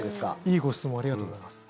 いいご質問ありがとうございます。